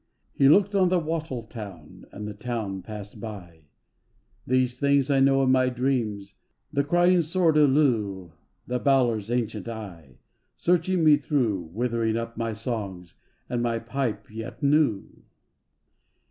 He looked on the wattle town, And the town passed by. 214 FATE ai5 These things I know in my dreams, The crying sword of Lugh, And Balor's ancient eye Searching me through, Withering up my songs And my pipe yet new.